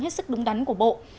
cái sức đúng đắn của bộ